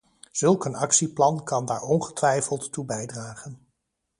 Zulk een actieplan kan daar ongetwijfeld toe bijdragen.